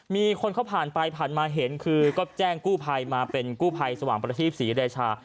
มีคนเขาผ่านไปผ่านมาเห็นคือก็แจ้งกู้ภัยมาเป็นกู้ภัยสว่างประทีปศรีราชา